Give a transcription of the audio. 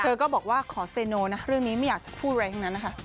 เธอก็บอกว่าขอสั่นแน่นะเรื่องนี้ไม่อยากจะพูดอะไรมากนั้นนะคะ